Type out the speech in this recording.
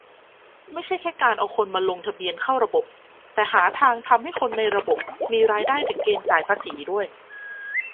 ไม่ใช่แค่การเอาคนมาลงทะเบียนเข้าระบบ แต่หาทางทำให้คนในระบบมีรายได้ถึงเกณฑ์จ่ายภาษีด้วย